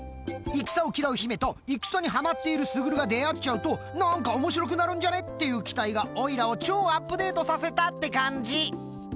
戦を嫌う姫と戦にハマっているスグルが出会っちゃうとなんかおもしろくなるんじゃね？っていう期待がオイラを超アップデートさせたって感じ！